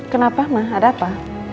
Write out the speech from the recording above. kenapa ma ada apa